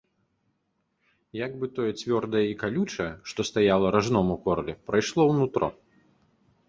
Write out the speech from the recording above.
Як бы тое цвёрдае і калючае, што стаяла ражном у горле, прайшло ў нутро.